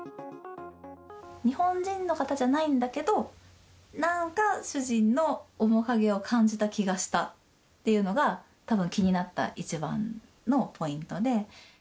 日本人の方じゃないんだけど、なんか主人の面影を感じた気がしたっていうのが、たぶん気になった一番のポイントで。